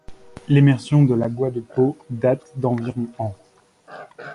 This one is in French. L'émersion de l'Água de Pau date d'environ ans.